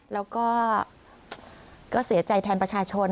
แล้วก็เสียใจแทนประชาชน